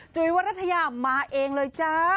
จุ๋ยวรรษยามาเองเลยจ้า